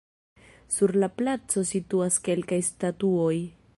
Sur la placo situas kelkaj statuoj.